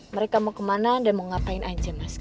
mereka mau kemana dan mau ngapain aja mas